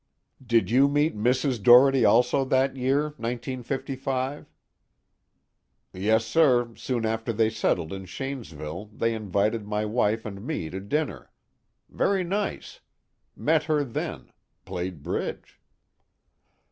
"Did you meet Mrs. Doherty also that year 1955?" "Yes, sir, soon after they settled in Shanesville, they invited my wife and me to dinner. Very nice. Met her then. Played bridge."